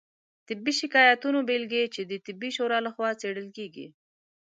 طبي شکایتونو بیلګې چې د طبي شورا لخوا څیړل کیږي